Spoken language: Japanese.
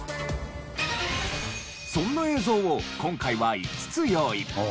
そんな映像を今回は５つ用意。